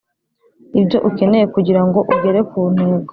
ibyo ukeneye kugirango ugere ku ntego